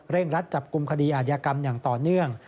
รัดจับกลุ่มคดีอาจยากรรมอย่างต่อเนื่อง